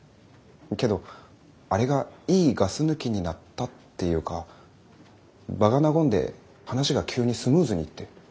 けどあれがいいガス抜きになったっていうか場が和んで話が急にスムーズにいって。